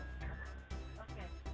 gangguan irama jantung itu maksudnya apa